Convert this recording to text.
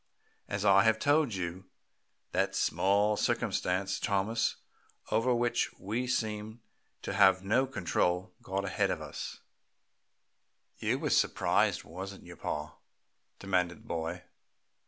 As I have told you, that small circumstance Thomas, over which we seem to have no control, got ahead of us " "You was surprised, wasn't you, pa?" demanded the boy.